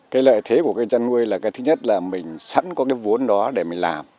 cái lợi thế của cái chăn nuôi là cái thứ nhất là mình sẵn có cái vốn đó để mình làm